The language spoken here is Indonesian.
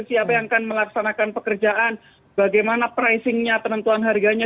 siapa yang akan melaksanakan pekerjaan bagaimana pricingnya penentuan harganya